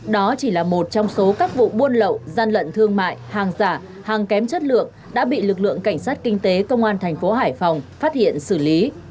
đó chỉ là một trong số các vụ buôn lậu gian lận thương mại hàng giả hàng kém chất lượng đã bị lực lượng cảnh sát kinh tế công an thành phố hải phòng phát hiện xử lý